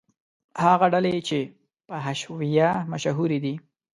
هغه ډلې چې په حشویه مشهورې دي.